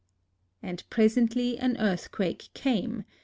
And pres ently an earthquake came.